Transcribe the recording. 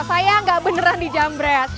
saya gak beneran di jambret